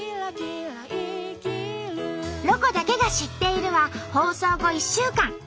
「ロコだけが知っている」は放送後１週間ＮＨＫ